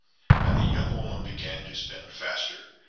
" And the young woman began to spin faster.